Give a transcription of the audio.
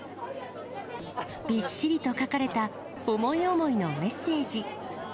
びっしりと書かれた思い思いのメッセージ。